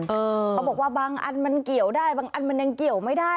เขาบอกว่าบางอันมันเกี่ยวได้บางอันมันยังเกี่ยวไม่ได้